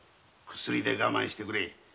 薬で我慢してくれ。